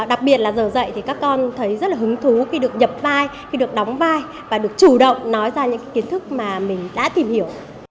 đặc biệt là giờ dạy thì các con thấy rất là hứng thú khi được nhập vai khi được đóng vai và được chủ động nói ra những kiến thức mà mình đã tìm hiểu